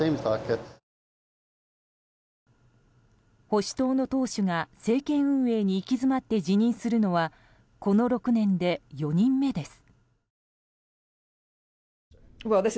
保守党の党首が政権運営に行き詰まって辞任するのはこの６年で４人目です。